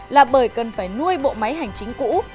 là bởi cần phải nuôi bộ máy hành chính cũ